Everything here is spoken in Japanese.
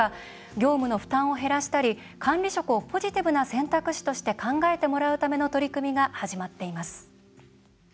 業務の負担を減らしたり管理職をポジティブな選択肢として考えてもらうための取り組みが始まっています。